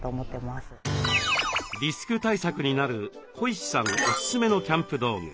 リスク対策になるこいしさんおすすめのキャンプ道具。